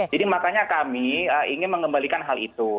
jadi makanya kami ingin mengembalikan hal itu